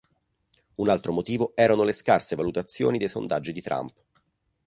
Un altro motivo erano le scarse valutazioni dei sondaggi di Trump.